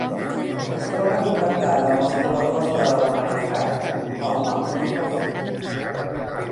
Es troba connectada amb els corredors de Maestrat pel nord i pel sud.